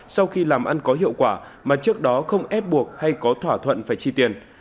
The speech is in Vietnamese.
sau khi làm ăn có hiệu quả mà trước đó không ép buộc hay có thỏa thuận phải chi tiền